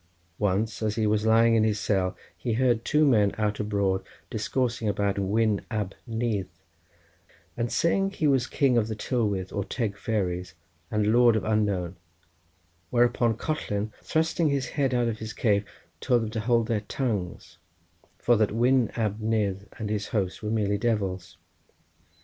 Once as he was lying in his cell he heard two men out abroad discoursing about Wyn Ab Nudd, and saying that he was king of the Tylwyth Teg or Fairies, and lord of Unknown, whereupon Collen thrusting his head out of his cave told them to hold their tongues, for that Wyn Ab Nudd and his host were merely devils.